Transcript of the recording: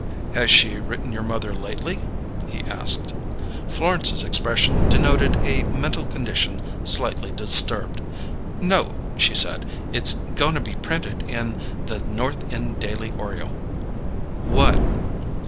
"Has she written your mother lately?" he asked. Florence's expression denoted a mental condition slightly disturbed. "No," she said. "It's goin' to be printed in The North End Daily Oriole." "What?"